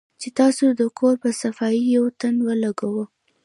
چې تاسو د کور پۀ صفائي يو تن ولګوۀ